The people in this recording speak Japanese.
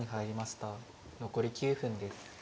残り９分です。